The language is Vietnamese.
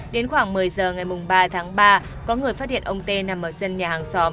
đến khoảng một mươi giờ ngày ba tháng ba có người phát hiện ông tê nằm ở sân nhà hàng xóm